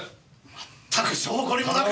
まったく性懲りもなく。